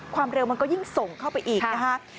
ความเร็วมันก็ยิ่งส่งเข้าไปอีกนะคะ